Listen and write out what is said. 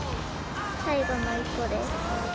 最後の１個です。